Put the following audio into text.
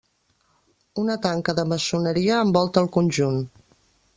Una tanca de maçoneria envolta el conjunt.